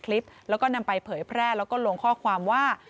คลิปแล้วก็นำไปเผยแพร่แล้วก็ลงข้อความว่า